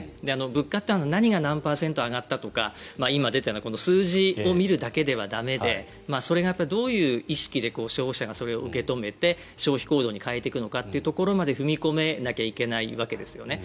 物価って何が何パーセント上がったとか今、出たような数字を見るだけでは駄目でそれがどういう意識で消費者がそれを受け止めて、消費行動に変えていくのかというところまで踏み込めなきゃいけないわけですよね。